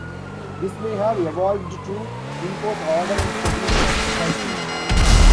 This may have evolved to impose order and stability on society.